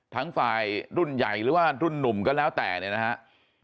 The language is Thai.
ทั้งฝ่ายรุ่นใหญ่หรือว่ารุ่นนุ่มก็แล้วแต่เนี่ยนะครับ